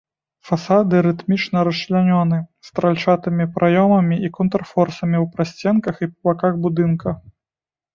Фасады рытмічна расчлянёны стральчатымі праёмамі і контрфорсамі ў прасценках і па баках будынка.